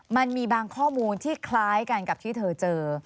มันมีบางข้อมูลที่คล้ายกันกับที่เธอเจอ